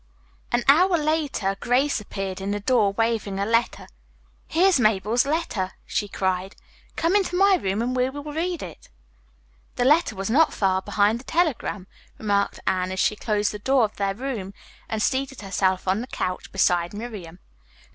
An hour later Grace appeared in the door, waving a letter. "Here's Mabel's letter!" she cried. "Come into my room, and we will read it." "The letter was not far behind the telegram," remarked Anne, as she closed the door of their room and seated herself on the couch beside Miriam.